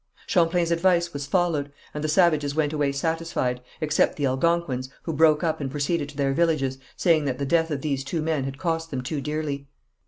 Champlain's advice was followed, and the savages went away satisfied, except the Algonquins, who broke up and proceeded to their villages, saying that the death of these two men had cost them too dearly.